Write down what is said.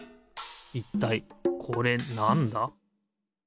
いったいこれなんだ？